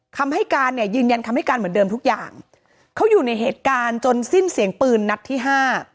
คำให้การเนี่ยยืนยันคำให้การเหมือนเดิมทุกอย่างเขาอยู่ในเหตุการณ์จนสิ้นเสียงปืนนัดที่ห้า